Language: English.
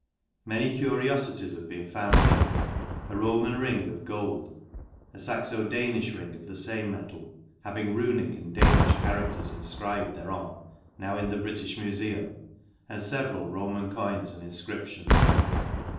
Many cu riofities have been found here ; a. Roman ring of gold, a Saxo Danijh ring of the fame metal, having. Runic and Danijh characters infcri bed thereon, now in the Britijh Mufewn, and feveral Roman coins, and. infcriptions.